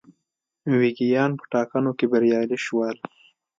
ویګیان په ټاکنو کې بریالي شول.